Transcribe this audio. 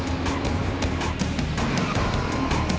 mukailalnya nggak gede deh